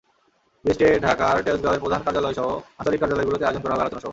বিএসটিআইয়ের ঢাকার তেজগাঁওয়ের প্রধান কার্যালয়সহ আঞ্চলিক কার্যালয়গুলোতে আয়োজন করা হবে আলোচনা সভা।